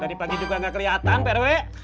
dari pagi juga kagak keliatan prw